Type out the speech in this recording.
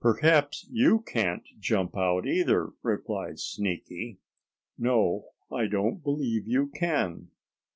"Perhaps you can't jump out either," replied Sneaky. "No, I don't believe you can."